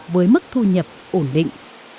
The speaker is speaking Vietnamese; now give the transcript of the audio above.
với mức thu nhập ổn định